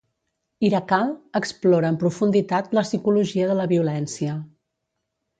"Irakal" explora amb profunditat la psicologia de la violència.